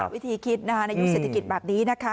วิธีคิดในยุคเศรษฐกิจแบบนี้นะคะ